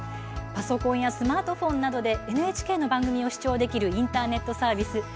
パソコンやスマートフォンなどでＮＨＫの番組を視聴できるインターネットサービス